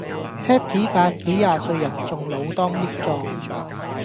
Happy 伯幾廿歲人仲老當益壯